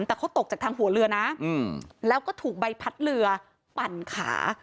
แต่เขาตกจากทางหัวเรือนะแล้วก็ถูกใบพัดเรือปั่นขา